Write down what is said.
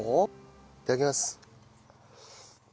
いただきます。